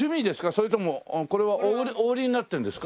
それともこれはお売りになってるんですか？